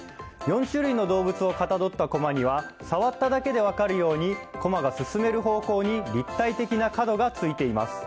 ４種類の動物をかたどった駒には触っただけで分かるように駒が進める方向に立体的な角がついています。